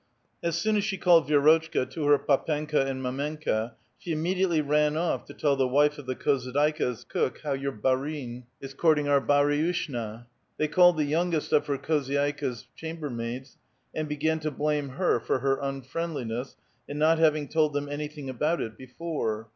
As soon as she called Vi^ro tchka to \i^v pdpenka and mdmevka^ sjie immediately ran off to tell the wife of the khozydika's cook how "your bann is courting our baruishna; they called the youngest of the khozydXka*s chambermaids, and began to blame her for her unfriendliness in not having told them anything about it be fore.